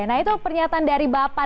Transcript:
nah itu pernyataan dari bapak